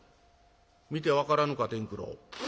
「見て分からぬか伝九郎。